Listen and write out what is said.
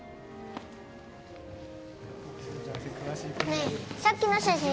ねえさっきの写真